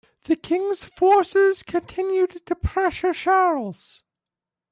The King's forces continued to pressure Charles.